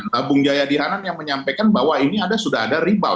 nah bung jaya dihanan yang menyampaikan bahwa ini sudah ada ribal